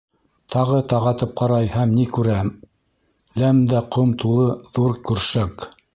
Тағы тағатып ҡарай һәм ни күрә: ләм дә ҡом тулы ҙур көршәк.